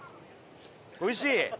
おいしい？